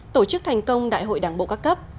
tổ chức thành công đại hội đảng bộ các cấp